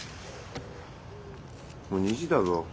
もう２時だぞ。